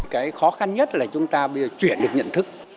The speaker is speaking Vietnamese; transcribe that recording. cái khó khăn nhất là chúng ta chuyển được nhận thức